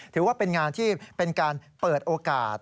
ถือว่าเป็นงานที่เป็นการเปิดโอกาส